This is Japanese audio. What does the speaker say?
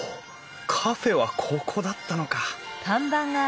カフェはここだったのか。